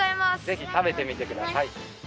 ぜひたべてみてください。